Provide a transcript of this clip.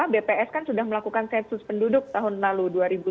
bps kan sudah melakukan sensus penduduk tahun lalu dua ribu dua puluh